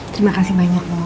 terima kasih banyak bu